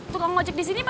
tukang ojik di sini padahal